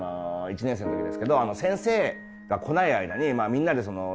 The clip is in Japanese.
１年生の時ですけど先生が来ない間にみんなでふざけてたんですよ。